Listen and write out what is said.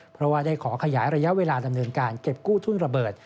เพราะว่าได้ขอขยายระยะเวลาดำเนินการเก็บกู้ทุนระเบิด